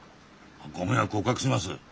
ご迷惑をおかけします。